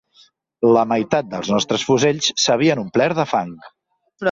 La meitat dels nostres fusells s'havien omplert de fang